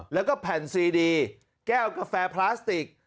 แล้วก็แผ่นซีดีแก้วกาแฟพลาสติก